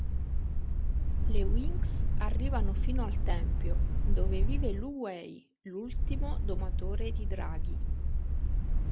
Le Winx arrivano fino al Tempio, dove vive Lu Wei, l'ultimo domatore di draghi.